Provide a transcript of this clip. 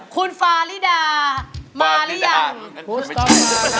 คุณฟาริดามาหรือยังฟาริดาครับ